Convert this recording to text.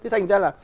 thành ra là